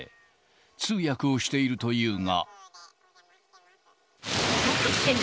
通訳をしているというが。